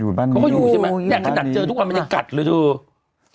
บ้านเขาก็อยู่ใช่ไหมเนี่ยขนาดเจอทุกวันมันยังกัดเลยเถอะ